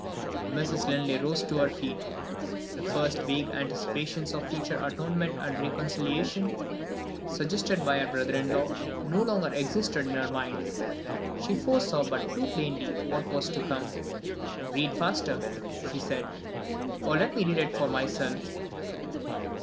Mrs. Linley rose to her feet. The first vague anticipations of future atonement and reconciliation, suggested by her brother in law, no longer existed in her mind: she foresaw but too plainly what was to come. "Read faster," she said, "or let me read it for myself."